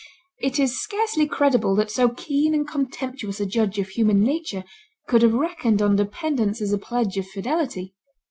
It is scarcely credible that so keen and contemptuous a judge of human nature could have reckoned on dependence as a pledge of fidelity.